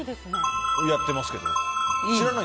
やってますけど。